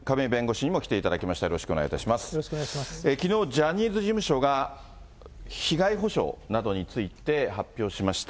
きのうジャニーズ事務所が、被害補償などについて発表しました。